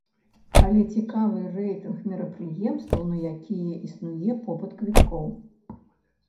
Але цікавы рэйтынг мерапрыемстваў, на якія існуе попыт квіткоў.